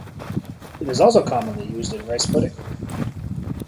It is also commonly used in rice pudding.